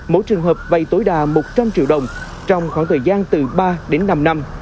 mỗi trường hợp vây tối đa một trăm linh triệu đồng trong khoảng thời gian từ ba đến năm năm